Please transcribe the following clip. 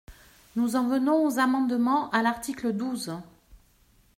Nous en venons aux amendements à l’article douze.